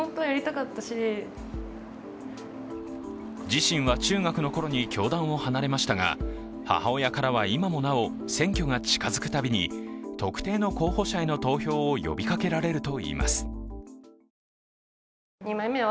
自身は中学の頃に教団を離れましたが母親からは、今もなお選挙が近づく度に特定の候補者への投票を呼びかけられるといいます。